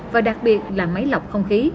và đặc biệt là máy lọc không khí